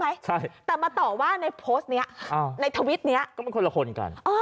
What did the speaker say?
ใช่แต่มาต่อว่าในโพสต์เนี้ยอ่าในทวิตนี้ก็มันคนละคนกันอ๋อ